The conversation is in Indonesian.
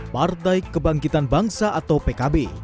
partai kebangkitan bangsa atau pkb